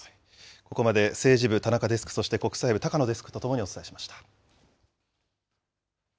ここまで、政治部、田中デスク、そして国際部、高野デスクと共にお伝えしました。